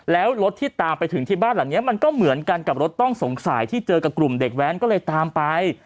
แล้วรถที่ตามไปถึงที่บ้านหลังนี้มันก็เหมือนกันกับรถต้องสงสัยที่เจอกับกลุ่มเด็กแว้นก็เลยตามไป